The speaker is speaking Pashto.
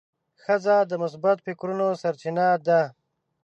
ښځه د مثبت فکرونو سرچینه ده.